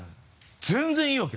全然良いわけ！